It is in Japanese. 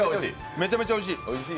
めちゃめちゃおいしい！